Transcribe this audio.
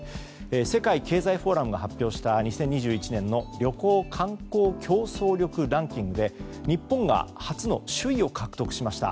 世界経済フォーラムが発表した２０２１年の旅行・観光競争力ランキングで日本が初の首位を獲得しました。